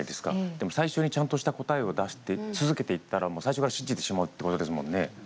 でも最初に、ちゃんとした答えを出して、続けていったらもう最初から信じてしまうっていうことですもんね。